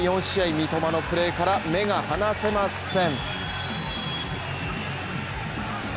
三苫のプレーから目が離せません。